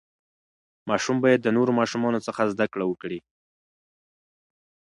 ماشوم باید د نورو ماشومانو څخه زده کړه وکړي.